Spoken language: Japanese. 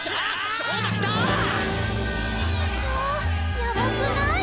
ちょやばくない？